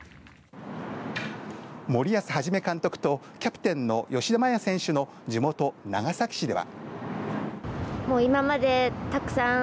森保一監督とキャプテンの吉田麻也選手の地元長崎市では。